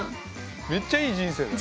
めっちゃいい人生だよ。